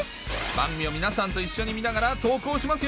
番組を皆さんと一緒に見ながら投稿しますよ